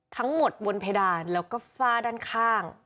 ทั้งหมดบนเพดานแล้วก็ฝ้าด้านข้าง